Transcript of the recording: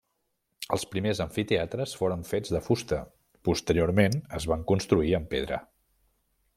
Els primers amfiteatres foren fets de fusta; posteriorment es van construir amb pedra.